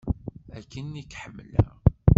Akken i k-ḥemmleɣ.